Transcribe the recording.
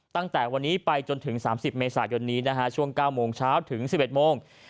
ตั้งแต่วันนี้ไปจนถึง๓๐เมษายนนี้นะฮะช่วง๙โมงเช้าถึง๑๑โมง